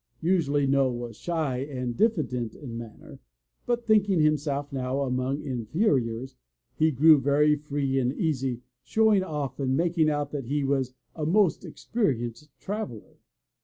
Usually Noll was shy and diffident of manner, but thinking himself now among inferiors, he grew very free and easy, showing off and making out that he was a most experienced traveller.